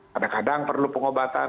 kadang kadang perlu pengobatan